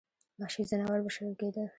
وحشي ځناور به شړل کېدل.